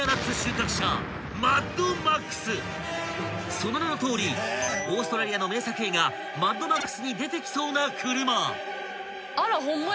［その名のとおりオーストラリアの名作映画『マッドマックス』に出てきそうな車］